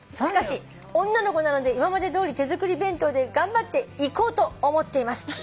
「しかし女の子なので今までどおり手作り弁当で頑張っていこうと思っています」